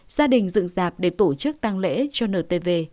gia đình dựng dạp để tổ chức tăng lễ cho ntv